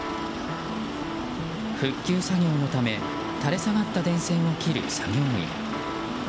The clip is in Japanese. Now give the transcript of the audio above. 復旧作業のため垂れ下がった電線を切る作業員。